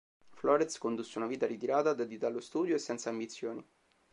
Flórez condusse una vita ritirata, dedita allo studio e senza ambizioni.